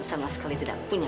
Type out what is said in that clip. kenal kenal dia bos